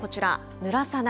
ぬらさない。